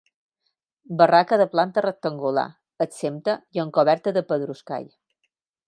Barraca de planta rectangular, exempta i amb coberta de pedruscall.